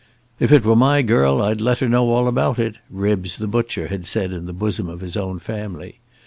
"If it were my girl I'd let her know all about it," Ribbs the butcher had said in the bosom of his own family.